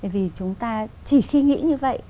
vì chúng ta chỉ khi nghĩ như vậy